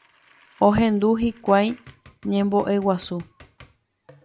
Ohendu hikuái ñembo'eguasu